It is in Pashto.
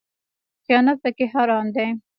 خیانت پکې حرام دی